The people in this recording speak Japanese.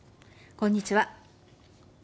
こんにちは。